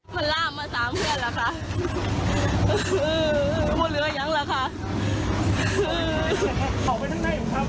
มันล่ามา๓เพื่อนแหละค่ะ